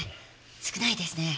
少ないですね。